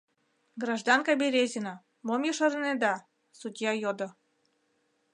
— Гражданка Березина, мом ешарынеда? — судья йодо.